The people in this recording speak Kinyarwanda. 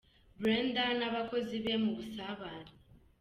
Brenda n' abakozi be mu busabane.